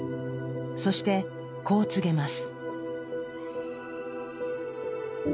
そしてこう告げます。